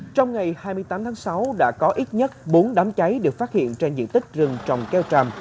trong ngày hai mươi tám tháng sáu đã có ít nhất bốn đám cháy được phát hiện trên diện tích rừng trồng keo tràm